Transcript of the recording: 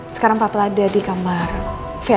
sekarang papa ada di kamar via